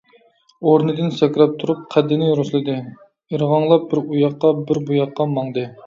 ئورنىدىن سەكرەپ تۇرۇپ، قەددىنى رۇسلىدى، ئىرغاڭلاپ بىر ئۇ ياققا - بىر بۇ ياققا ماڭدى.